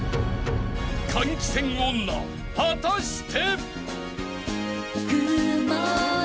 ［換気扇女果たして！？］